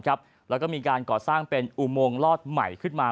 แล้วก็มีการก่อสร้างเป็นอุโมงลอดใหม่ขึ้นมา